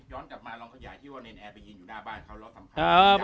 กลับมาลองขยายที่ว่าเนรแอร์ไปยืนอยู่หน้าบ้านเขาแล้วสำคัญ